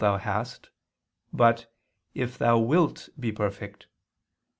'what'] thou hast," but "If thou wilt be perfect."